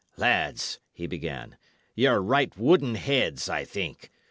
"Lads," he began, "y' are right wooden heads, I think.